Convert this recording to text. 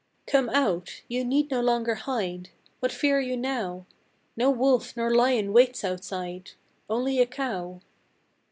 Come out! Ye need no longer hide! What fear you now? No wolf nor lion waits outside Only a cow.